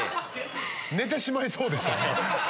寝てしまいそうでした。